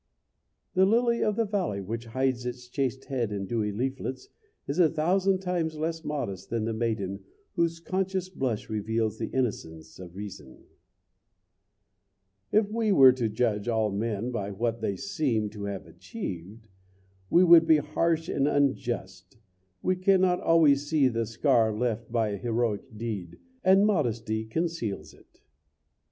The lily of the valley, which hides its chaste head in dewy leaflets, is a thousand times less modest than the maiden whose conscious blush reveals the innocence of reason. If we were to judge all men by what they seem to have achieved, we would be harsh and unjust. We cannot always see the scar left by a heroic deed, and modesty conceals it.